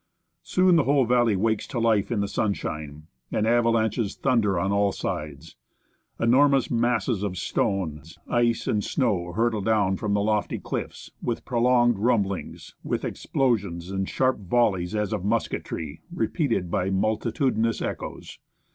Soon the whole val ley wakes to life in the sunshine, and avalanches thunder on all sides. Enormous masses of stones, ice, and snow hurtle down from the lofty cliffs, with pro longed rumblings, with explosions and sharp volleys as of musketry, repeated by multitudinous echoes.